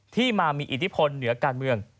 ที่มามีอิทธิพลเหนือการเมือง